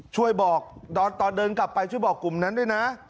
ช่วยบอกตอนเดินกลับไปช่วยบอกกลุ่มนั้นด้วยนะ